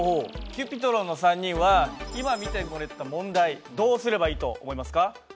Ｃｕｐｉｔｒｏｎの３人は今見てもらった問題どうすればいいと思いますか？